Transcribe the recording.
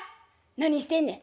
何してんねん。